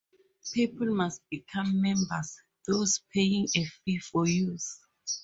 People must become members, thus paying a fee for use.